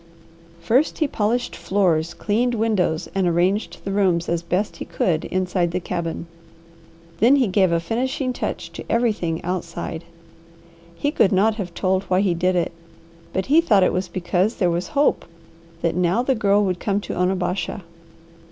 First he polished floors, cleaned windows, and arranged the rooms as best he could inside the cabin; then he gave a finishing touch to everything outside. He could not have told why he did it, but he thought it was because there was hope that now the Girl would come to Onabasha.